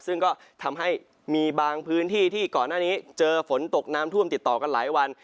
ซึ่งก็ทำให้มีบางพื้นที่ที่ก่อนหน้านี้เจอฝนตกน้ำท่วมติดต่อกันหลายวัน